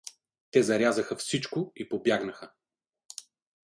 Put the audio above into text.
Те зарязаха всичко и побягнаха.